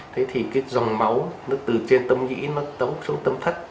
thế thì cái dòng máu nó từ trên tâm nhĩ nó tấu xuống tâm thất